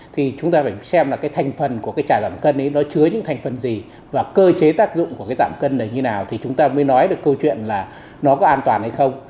thì chúng ta phải xem là cái thành phần của cái trà giảm cân nó chứa những thành phần gì và cơ chế tác dụng của cái giảm cân này như nào thì chúng ta mới nói được câu chuyện là nó có an toàn hay không